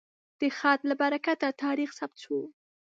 د خط له برکته تاریخ ثبت شو.